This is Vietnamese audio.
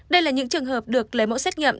đây là những trường hợp được lấy mẫu xét nghiệm